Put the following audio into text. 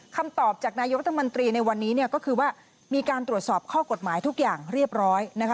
คำตอบจากนายกรัฐมนตรีในวันนี้เนี่ยก็คือว่ามีการตรวจสอบข้อกฎหมายทุกอย่างเรียบร้อยนะคะ